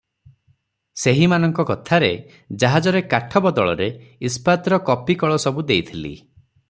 ସେହିମାନଙ୍କ କଥାରେ ଜାହାଜରେ କାଠ ବଦଳରେ ଇସ୍ପାତର କପି କଳ ସବୁ ଦେଇଥିଲି ।